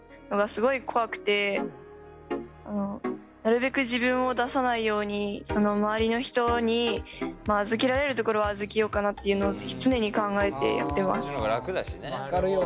なるべく自分を出さないように周りの人に預けられるところは預けようかなっていうのを常に考えてやってます。